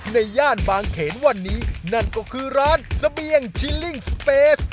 ย่านบางเขนวันนี้นั่นก็คือร้านเสบียงชิลลิ่งสเปส